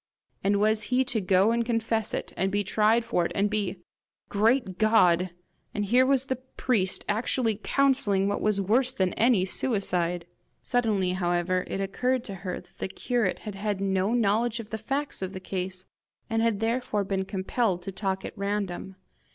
And was he to go and confess it, and be tried for it, and be ? Great God! And here was the priest actually counselling what was worse than any suicide! Suddenly, however, it occurred to her that the curate had had no knowledge of the facts of the case, and had therefore been compelled to talk at random.